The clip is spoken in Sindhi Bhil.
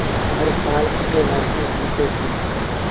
هر سآل سُٺين مآرڪيٚن کڻتوس